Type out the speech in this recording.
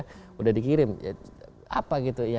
sudah dikirim apa gitu